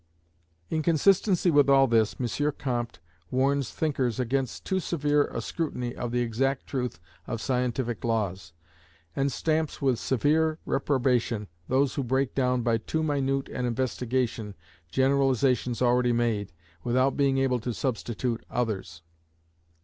In consistency with all this, M. Comte warns thinkers against too severe a scrutiny of the exact truth of scientific laws, and stamps with "severe reprobation" those who break down "by too minute an investigation" generalizations already made, without being able to substitute others (vi.